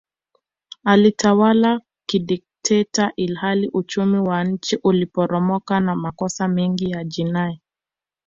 Alitawala kidikteta ilihali uchumi wa nchi uliporomoka na makosa mengi ya jinai